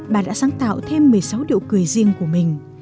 bà đã sáng tạo thêm một mươi sáu điệu cười riêng của mình